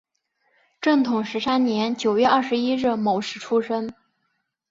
正统十三年九月二十一日戌时出生。